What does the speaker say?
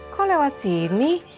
kok lewat sini